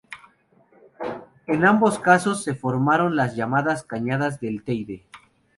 En ambos casos, se formaron las llamadas Cañadas del Teide.